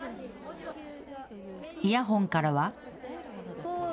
イヤホンからは。